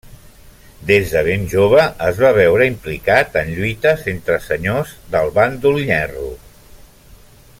Des de ben jove, es va veure implicat en lluites entre senyors del bàndol nyerro.